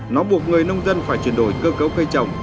nó buộc người nông dân phải chuyển đổi cơ cấu cây trồng